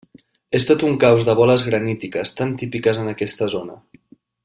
És tot un caos de boles granítiques, tan típiques en aquesta zona.